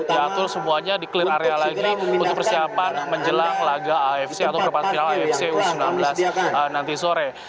diatur semuanya di clear area lagi untuk persiapan menjelang laga afc atau perempat final afc u sembilan belas nanti sore